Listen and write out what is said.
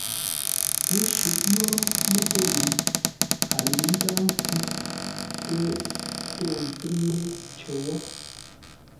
Ə́ shʉ̂ʼ yórə́ lə́ pə́ yi, a lə̌i ntáa nkwʉ́, pə́ tô ńtʉ́ŋ yé cər wó.